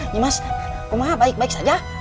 nyimas kau maha baik baik saja